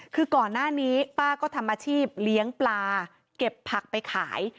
คือก่อนหน้านี้ป้าก็ทำอาชีพเลี้ยงปลาเก็บผักไปขาย